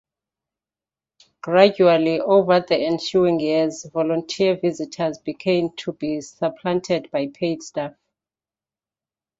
Gradually, over the ensuing years, volunteer visitors began to be supplanted by paid staff.